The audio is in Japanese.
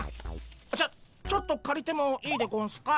ちょちょっとかりてもいいでゴンスか？